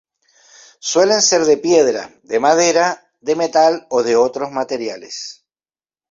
Suelen ser de piedra, de madera, de metal o de otros materiales.